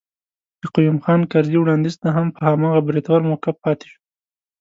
د قيوم خان کرزي وړانديز ته هم په هماغه بریتور موقف پاتي شو.